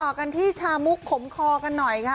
กันที่ชามุกขมคอกันหน่อยค่ะ